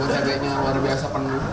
cabainya luar biasa penuh